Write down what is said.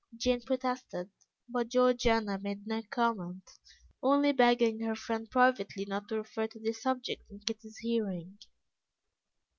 Jane protested, but Georgiana made no comment, only begging her friend privately not to refer to the subject in Kitty's hearing.